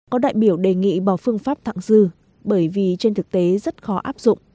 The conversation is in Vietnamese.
có đại biểu đề nghị bỏ phương pháp thẳng dư bởi vì trên thực tế rất khó áp dụng